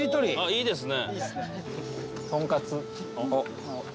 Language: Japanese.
いいですね。